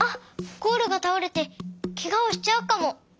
ゴールがたおれてケガをしちゃうかも。